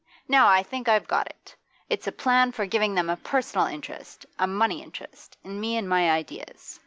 Now I think I've got it. It's a plan for giving them a personal interest, a money interest, in me and my ideas.